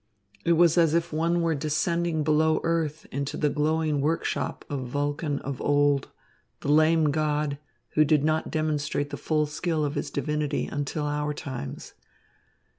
It was as if one were descending below earth into the glowing workshop of Vulcan of old, the lame god, who did not demonstrate the full skill of his divinity until our times.